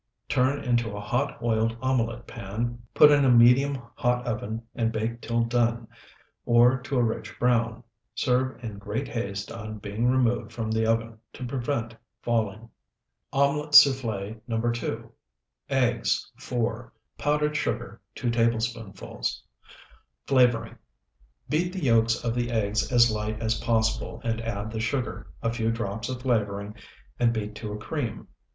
Turn into a hot oiled omelet pan, put in medium hot oven, and bake till done, or to a rich brown. Serve in great haste on being removed from the oven, to prevent falling. OMELET SOUFFLE NO. 2 Eggs, 4. Powdered sugar, 2 tablespoonfuls. Flavoring. Beat the yolks of the eggs as light as possible, and add the sugar, a few drops of flavoring, and beat to a cream.